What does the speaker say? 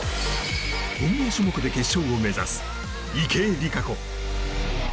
本命種目で決勝を目指す池江璃花子。